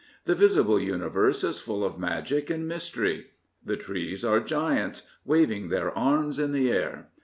The visible universe is full of magic and mystery. The trees are giants waving their arms in the air.